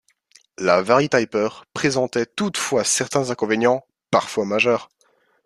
La Varityper présentaient toutefois certains inconvénients, parfois majeurs.